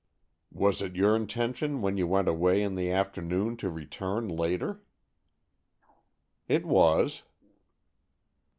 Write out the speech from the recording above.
"Was it your intention when you went away in the afternoon to return later?" "It was."